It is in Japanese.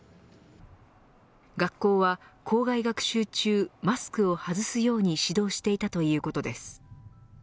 学校は校外学習中マスクを外すように指導していたということです。